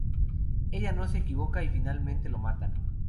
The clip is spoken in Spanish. Ella no se equivoca y finalmente lo matan.